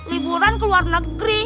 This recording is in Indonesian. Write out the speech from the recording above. liburan ke luar negeri